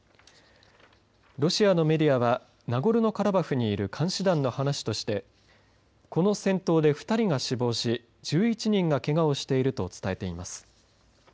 ロシアのメディアはナゴルノカラバフにいる監視団の話としてこの戦闘で２人が死亡し１１人がけがをしていると伝えています。